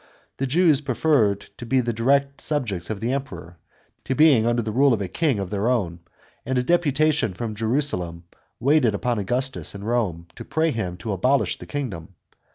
The Jews preferred to be the direct subjects of the Emperor, to being under the rule of a king of their own ; and a deputation from Jerusalem waited upon Augustus in Borne, to pray him to abolish the kingdom.